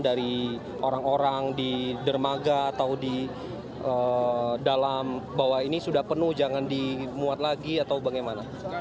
dari orang orang di dermaga atau di dalam bawah ini sudah penuh jangan dimuat lagi atau bagaimana